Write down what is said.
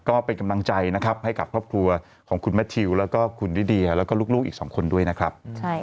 ก็เป็นกำลังใจนะครับให้กับครอบครัวของคุณแมททิวแล้วก็คุณลิเดียแล้วก็ลูกอีก๒คนด้วยนะครับ